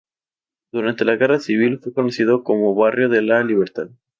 Durante la Guerra Civil fue conocido como Barrio de la Libertad.